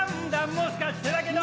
もしかしてだけど